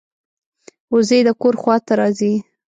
وزې د کور خوا ته راځي